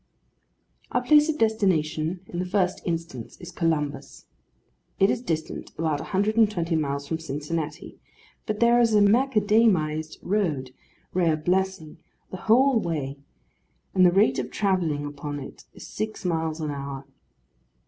Our place of destination in the first instance is Columbus. It is distant about a hundred and twenty miles from Cincinnati, but there is a macadamised road (rare blessing!) the whole way, and the rate of travelling upon it is six miles an hour.